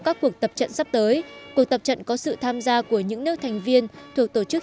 các cuộc tập trận sắp tới cuộc tập trận có sự tham gia của những nước thành viên thuộc tổ chức